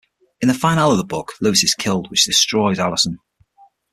In the finale of the book, Lewis is killed, which destroys Allison.